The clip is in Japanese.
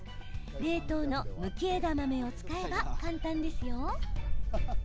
冷凍のむき枝豆を使えば簡単ですよ。